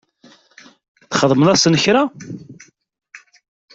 Txedmeḍ-asen kra?